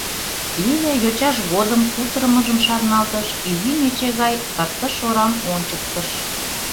— Лиля йочаж годым кутырымыжым шарналтыш, изи мече гай тыртыш орам ончыктыш.